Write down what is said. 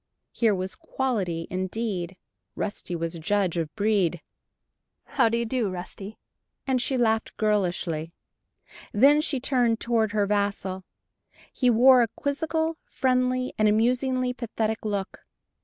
Here was "quality" indeed Rusty was a judge of "breed"! "How do you do, Rusty?" and she laughed girlishly. Then she turned toward her vassal. He wore a quizzical, friendly, and amusingly pathetic look.